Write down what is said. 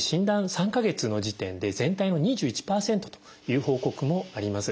３か月の時点で全体の２１％という報告もあります。